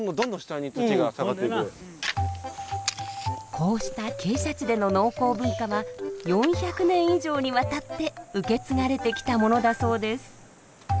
こうした傾斜地での農耕文化は４００年以上にわたって受け継がれてきたものだそうです。